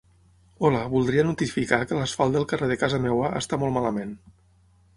Hola, voldria notificar que l'asfalt del carrer de casa meva està molt malament.